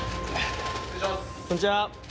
こんにちは。